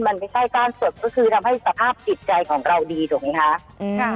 มันไม่ใช่ก้านสดก็คือทำให้สภาพจิตใจของเราดีถูกไหมคะ